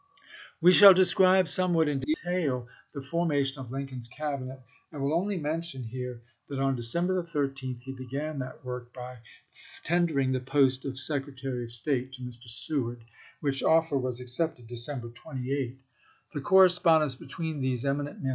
We shall describe somewhat in detail the forma tion of Lincoln's Cabinet, and will only mention i860. here that on December 13 he began that work by tendering the post of Secretary of State to Mr. Seward, which offer was accepted December 28. THE PRESIDENT ELECT 261 The correspondence between these eminent men chap.